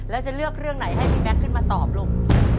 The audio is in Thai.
แล้วจะเลือกเรื่องไหนให้พี่แก๊กขึ้นมาตอบลูก